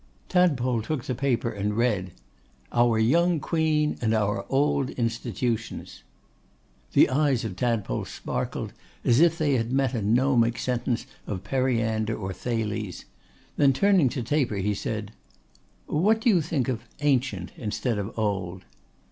Tadpole took the paper and read, 'OUR YOUNG QUEEN, AND OUR OLD INSTITUTIONS.' The eyes of Tadpole sparkled as if they had met a gnomic sentence of Periander or Thales; then turning to Taper, he said, 'What do you think of "ancient," instead of "old"?